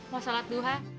mau sholat duha